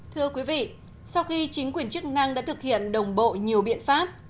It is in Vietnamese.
thưa quý vị sau khi chính quyền chức năng đã thực hiện đồng bộ nhiều biện pháp